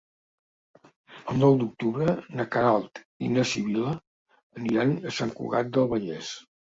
El nou d'octubre na Queralt i na Sibil·la aniran a Sant Cugat del Vallès.